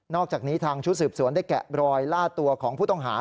อกจากนี้ทางชุดสืบสวนได้แกะรอยล่าตัวของผู้ต้องหา